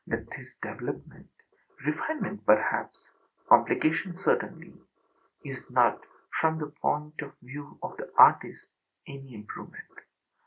That this development, refinement perhaps, complication certainly, is not, from the point of view of the artist, any improvement.